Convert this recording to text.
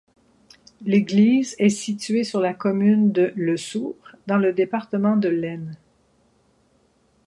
L'église est située sur la commune de Le Sourd, dans le département de l'Aisne.